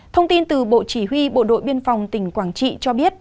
thông tin từ bộ chỉ huy bộ đội biên phòng tỉnh quảng trị cho biết